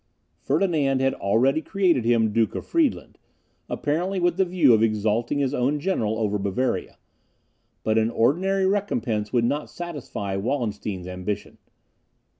Ferdinand had already created him Duke of Friedland, apparently with the view of exalting his own general over Bavaria; but an ordinary recompense would not satisfy Wallenstein's ambition.